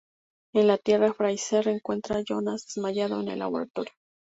En la Tierra, Fraiser encuentra a Jonas desmayado en el laboratorio.